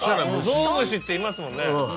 ゾウムシっていますもんね。